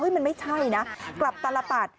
มันไม่ใช่นะกลับตลปัด